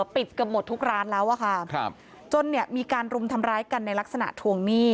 เกือบหมดทุกร้านแล้วอะค่ะครับจนเนี่ยมีการรุมทำร้ายกันในลักษณะทวงหนี้